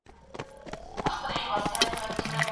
ټول معلومات باید په پوره وضاحت سره ولیکل سي.